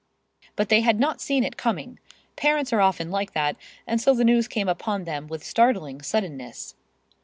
But they had not seen it coming. Parents are often like that, and so the news came upon them with startling suddenness.